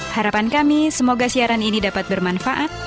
harapan kami semoga siaran ini dapat bermanfaat